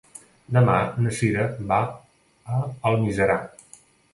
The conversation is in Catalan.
Demà na Sira va a Almiserà.